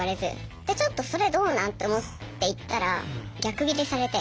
でちょっと「それどうなん！」と思って言ったら逆ギレされて。